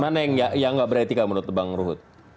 mana yang gak beretika menurut bang ruhut